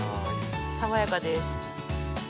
爽やかです。